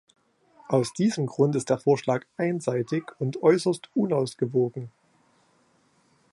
Aus diesem Grund ist der Vorschlag einseitig und äußerst unausgewogen.